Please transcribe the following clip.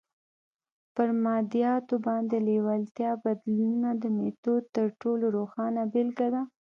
پر مادياتو باندې د لېوالتیا بدلولو د ميتود تر ټولو روښانه بېلګه ده.